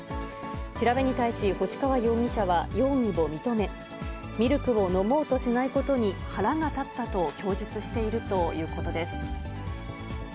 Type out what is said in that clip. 調べに対し、星川容疑者は容疑を認め、ミルクを飲もうとしないことに腹が立ったと供述しているということです。